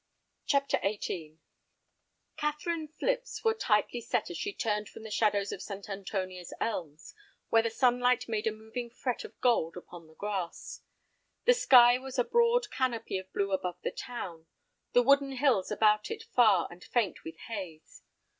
CHAPTER XVIII Catherine's lips were tightly set as she turned from the shadows of St. Antonia's elms, where the sunlight made a moving fret of gold upon the grass. The sky was a broad canopy of blue above the town, the wooded hills about it far and faint with haze.